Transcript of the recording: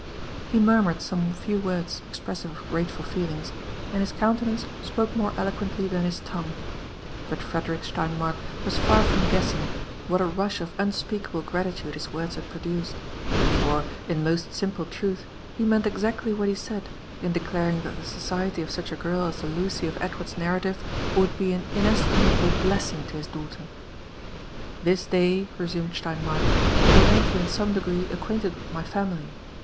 He murmured some few words expressive of grateful feelings, and his countenance spoke more eloquently than his tongue ; but Frederick Sleinmark was far from guessing what a rush of unspeakable gratitude his words had produced; for, in most simple truth, he meant exactly what he said, in declaring tlial the society of such a girl as the Lucy of Edward's narrative would bean inestimable blessing to his daughten This day," resumed Sleinmark, *' will make you in some degree acquainted with my family.